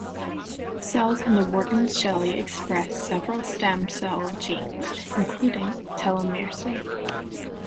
Cells in Wharton's jelly express several stem cell genes, including telomerase.